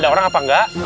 ada orang apa enggak